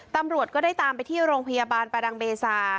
ตำรวจก็ได้ตามไปที่โรงพยาบาลประดังเบซา